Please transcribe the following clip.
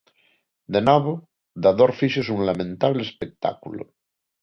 De novo, da dor fíxose un lamentable espectáculo.